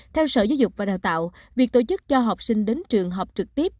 theo sở giáo dục và đào tạo việc tổ chức cho học sinh đến trường học trực tiếp